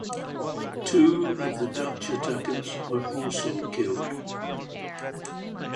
Two of the Dutch attackers were also killed.